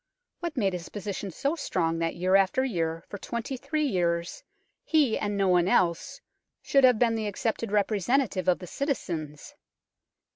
What made his position so strong that year after year for twenty three years he, and no one else, should have been the accepted representative of the citizens